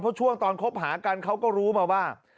เพราะช่วงตอนคบหากันเขาก็รู้มาว่า